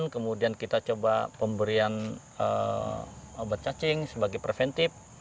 kemudian kita coba pemberian obat cacing sebagai preventif